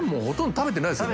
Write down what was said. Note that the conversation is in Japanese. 食べてないですよ。